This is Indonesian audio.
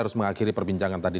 harus mengakhiri perbincangan tadi